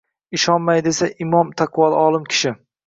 Ishonmay desa, imom taqvoli olim kishi.